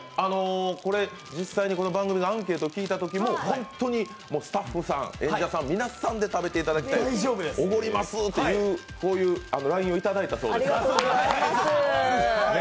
実際に番組のアンケート聞いたときも本当にスタッフさん、演者さん皆さんで食べていただきたい、おごりますっていう、こういうＬＩＮＥをいただいたそうです。